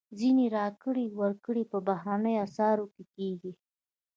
ځینې راکړې ورکړې په بهرنیو اسعارو کېږي.